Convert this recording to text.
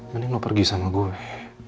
mending lo pergi sama gue